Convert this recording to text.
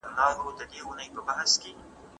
ټولنیز پوهان د ټولنې د اصلاح لپاره کار کوي.